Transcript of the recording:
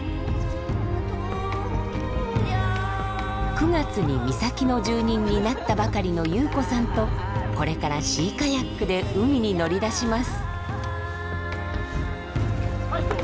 ９月に三崎の住人になったばかりのゆう子さんとこれからシーカヤックで海に乗り出します。